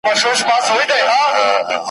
لا« څشي غواړی» له واکمنانو ,